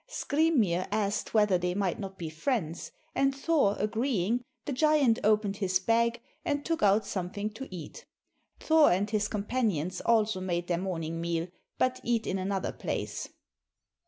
Skrymir asked whether they might not be friends, and Thor agreeing, the giant opened his bag and took out something to eat. Thor and his companions also made their morning meal, but eat in another place.